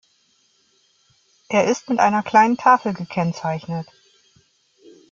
Er ist mit einer kleinen Tafel gekennzeichnet.